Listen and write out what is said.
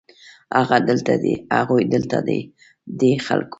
هغه دلته دی، هغوی دلته دي ، دې خلکو